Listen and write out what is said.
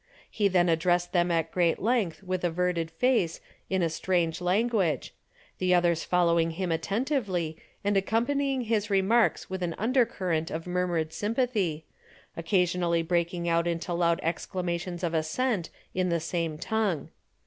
He then addressed them at great length with averted face in a strange language, the others following him attentively and accompanying his remarks with an undercurrent of murmured sympathy, occasionally breaking out into loud exclamations of assent in the same tongue.